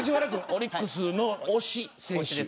オリックスの推し選手は。